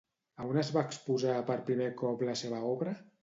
A on es va exposar per primer cop la seva obra?